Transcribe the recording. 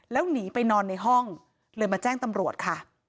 แล้วหนีไปนอนในห้องเลยมาแจ้งตำรวจค่ะ